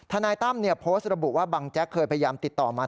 นายตั้มโพสต์ระบุว่าบังแจ๊กเคยพยายามติดต่อมา